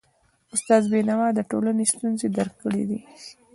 استاد بينوا د ټولنې ستونزي درک کړی وي.